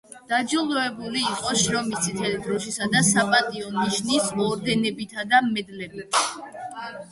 დაჯილდოვებული იყო შრომის წითელი დროშისა და „საპატიო ნიშნის“ ორდენებითა და მედლებით.